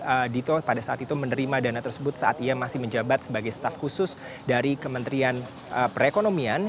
adito pada saat itu menerima dana tersebut saat ia masih menjabat sebagai staff khusus dari kementerian perekonomian